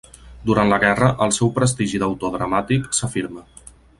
Durant la guerra, el seu prestigi d'autor dramàtic s'afirma.